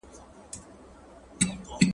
دیني حقونه د انسان طبیعي اړتیا ده.